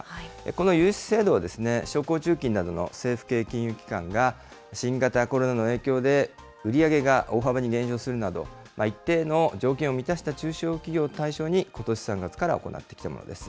この融資制度は、商工中金などの政府系金融機関が、新型コロナの影響で売り上げが大幅に減少するなど、一定の条件を満たした中小企業を対象に、ことし３月から行ってきたものです。